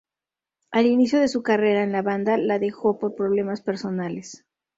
Al inicio de su carrera en la banda, la dejó por problemas personales.